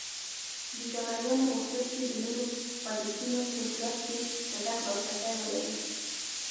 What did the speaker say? برېټانویانو غوښتل چې د نورو خوځښتونو په صورت کې چټک لاسرسی ولري.